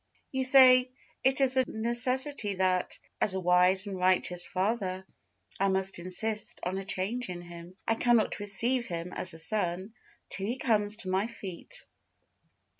You say, "It is a necessity that, as a wise and righteous father, I must insist on a change in him. I cannot receive him as a son, till he comes to my feet.